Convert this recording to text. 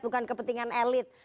bukan kepentingan elit